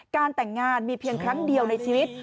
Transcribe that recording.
การแต่งงานมีเพียงครั้งเดียวในชีวิต